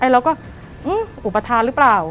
เราก็อุปทานหรือเปล่า